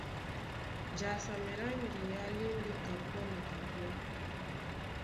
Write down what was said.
Jasamɛ lá ŋgeá lá e ndé kapɔ́ na kapɔ́,